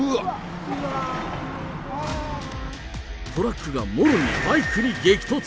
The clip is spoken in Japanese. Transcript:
トラックがもろにバイクに激突。